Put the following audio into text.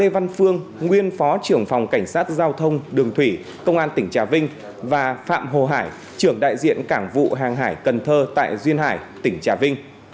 vương nguyên phó trưởng phòng cảnh sát giao thông đường thủy công an tỉnh trà vinh và phạm hồ hải trưởng đại diện cảng vụ hàng hải cần thơ tại duyên hải tỉnh trà vinh